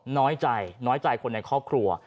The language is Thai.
น้อยใจน้อยใจคนในครอบครัว